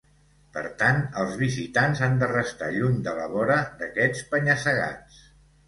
Per tant els visitants han de restar lluny de la vora d’aquests penya-segats.